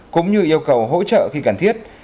cũng như yêu cầu hỗ trợ khi cần thiết